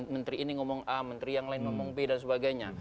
menteri ini ngomong a menteri yang lain ngomong b dan sebagainya